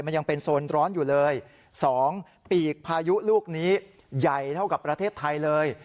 มันยังเป็นโซนร้อนอยู่เลย๒ปีกพายุลูกนี้ใหญ่เท่ากับประเทศไทยเลย